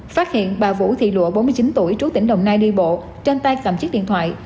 phát hiện bà vũ thị lụa bốn mươi chín tuổi trú tỉnh đồng nai đi bộ trên tay cầm chiếc điện thoại